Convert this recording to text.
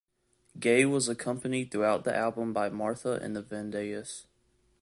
Gaye was accompanied throughout the album by Martha and the Vandellas.